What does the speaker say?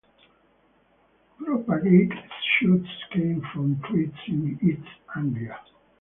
Propagated shoots came from trees in East Anglia.